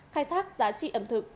khai thác giá trị ẩm thực